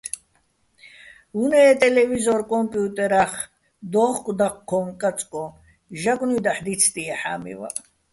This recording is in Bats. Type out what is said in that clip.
უ̂ნე ე ტელევიზორ-კომპიუტერა́ხ დოუხკო̆ დაჴჴოჼ-კაწკოჼ, ჟაგნუ́ჲ დაჰ̦ დიცდიეჼ ჰ̦ა́მივაჸ.